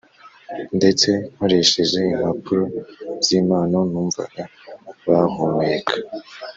ndetse nkoresheje impapuro zimpano numvaga bahumeka